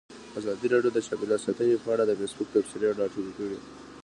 ازادي راډیو د چاپیریال ساتنه په اړه د فیسبوک تبصرې راټولې کړي.